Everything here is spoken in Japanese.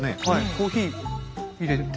コーヒーいれて。